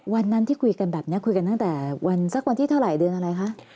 วันนั้นที่คุยกันแบบนี้คุยกันตั้งแต่วันสักวันที่เท่าไหร่เดือนอะไรคะ